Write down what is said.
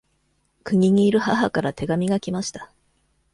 国にいる母から手紙が来ました。